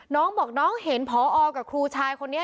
น้องบอกน้องเห็นพอกับครูชายคนนี้